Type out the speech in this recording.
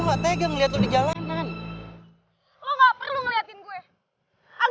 saya tidak peduli melihatnya di jalanan